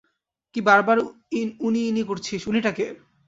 কি বারবার উনিী-উনি করছিস, উনিটা কে?